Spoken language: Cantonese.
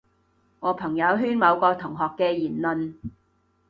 我朋友圈某個同學嘅言論